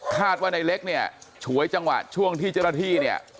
คาดว่าในเล็กเนี่ยฉวยจังหวัดช่วงที่เจรฐี่เนี่ย